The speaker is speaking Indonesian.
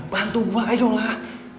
bantu gue ayolah